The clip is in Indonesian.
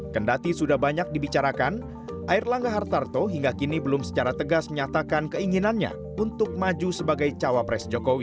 kendati sudah banyak dibicarakan air langga hartarto hingga kini belum secara tegas menyatakan keinginannya untuk maju sebagai cawapres jokowi